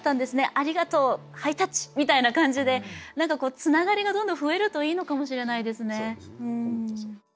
ありがとうハイタッチみたいな感じで何かつながりがどんどん増えるといいのかもしれないですね。